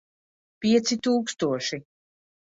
Pieci tūkstoši.